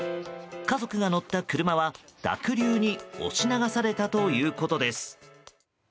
家族が乗った車は、濁流に押し流されたということです。